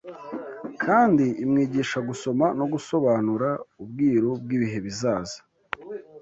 kandi imwigisha gusoma no gusobanura ubwiru bw’ibihe bizaza